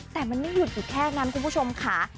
แต่มันไม่หยุดอยู่แค่นั้นคุณผู้ชมค่ะ